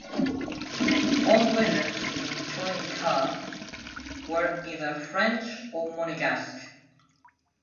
All winners, in touring cars, were either French or Monegasque.